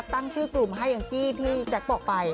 ตั้งชื่อกลุ่มให้อย่างที่พี่แจ๊คบอกไป